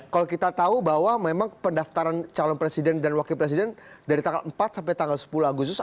kalau kita tahu bahwa memang pendaftaran calon presiden dan wakil presiden dari tanggal empat sampai tanggal sepuluh agustus